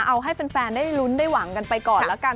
เอาให้แฟนได้หวังกันไปก่อนละกัน